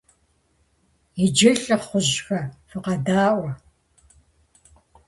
Иджы, лӀыхъужьхэ, фыкъэдаӀуэ!